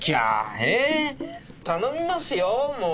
え頼みますよもう！